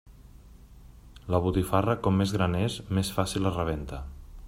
La botifarra, com més gran és, més fàcil es rebenta.